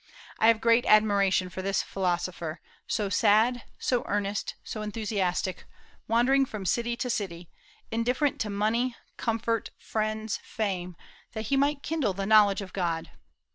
I have great admiration for this philosopher, so sad, so earnest, so enthusiastic, wandering from city to city, indifferent to money, comfort, friends, fame, that he might kindle the knowledge of God.